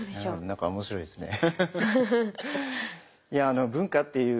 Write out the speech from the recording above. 何か面白いですね。